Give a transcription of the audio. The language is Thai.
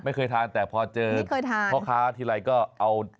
ไม่เคยทานแต่พอเจอเคยทานพ่อค้าทีไรก็เอา